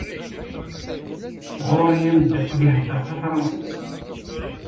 Ɣur-i amdakel ihedder tafransist.